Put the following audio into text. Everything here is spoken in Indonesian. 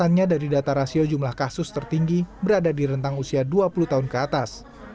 karena dari data rasio jumlah kasus tertinggi berada di rentang usia dua puluh tahun ke atas